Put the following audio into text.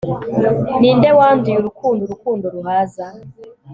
ninde wanduye urukundo, urukundo ruhaza